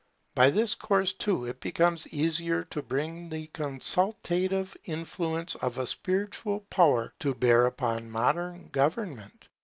By this course, too, it becomes easier to bring the consultative influence of a spiritual power to bear upon modern government.